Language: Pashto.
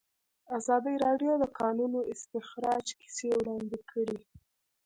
ازادي راډیو د د کانونو استخراج کیسې وړاندې کړي.